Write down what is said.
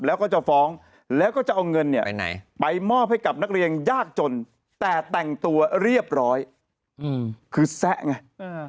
แล้วก็จะฟ้องแล้วก็จะเอาเงินเนี่ยไปมอบให้กับนักเรียนยากจนแต่แต่งตัวเรียบร้อยคือแซะไง